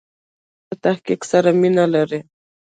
ځینې محصلین له تحقیق سره مینه لري.